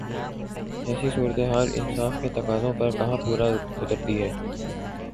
ایسی صورتحال انصاف کے تقاضوں پر کہاں پورا اترتی ہے؟